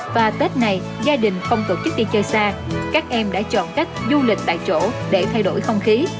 và tết này gia đình không tổ chức đi chơi xa các em đã chọn cách du lịch tại chỗ để thay đổi không khí